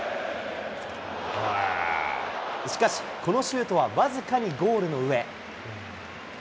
しかし、このシュートは僅かにゴールの上。